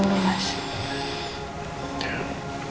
jadi harus istirahat dulu mas